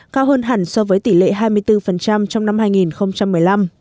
cao hơn hẳn so với tỷ lệ hai mươi bốn trong năm hai nghìn một mươi năm